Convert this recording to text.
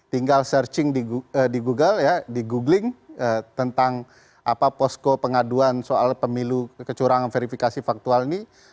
tinggal searching di google ya di googling tentang posko pengaduan soal pemilu kecurangan verifikasi faktual ini